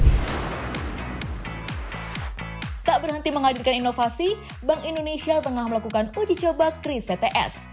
tak berhenti menghadirkan inovasi bank indonesia tengah melakukan uji coba kris tts